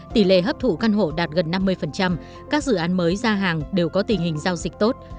tỷ lệ hấp thụ căn hộ đạt gần năm mươi các dự án mới ra hàng đều có tình hình giao dịch tốt